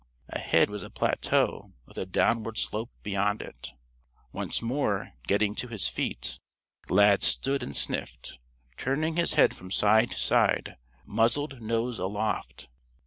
Ahead was a plateau with a downward slope beyond it. Once more, getting to his feet, Lad stood and sniffed, turning his head from side to side, muzzled nose aloft.